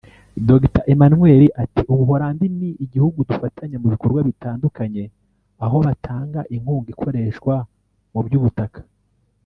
Dr Emmanuel ati “u Buholandi ni igihugu dufatanya mu bikorwa bitandukanye aho batanga inkunka ikoreshwa mu by’ubutaka